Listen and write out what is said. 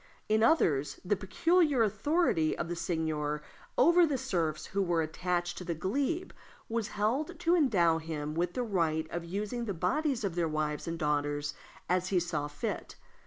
In others, the peculiar authority of the seigneur over the serfs who were attached to the glebe was held to endow him with the right of using the bodies of their wives and daughters as he saw fit.